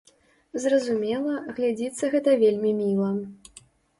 Зразумела, глядзіцца гэта вельмі міла.